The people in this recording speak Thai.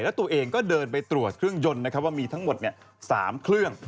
แล้วตัวเองก็เดินไปตรวจเครื่องยนต์นะครับว่ามีทั้งหมด๓เครื่อง